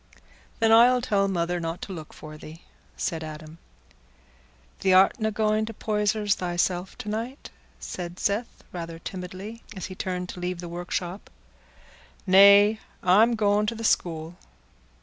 "Then I'll tell mother not to look for thee," said Adam. "Thee artna going to Poyser's thyself to night?" said Seth rather timidly, as he turned to leave the workshop. "Nay, I'm going to th' school."